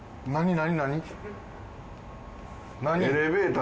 何？